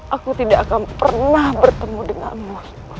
aku tidak akan pernah bertemu denganmu